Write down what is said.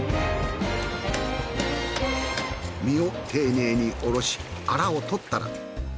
身を丁寧におろしアラを取ったら。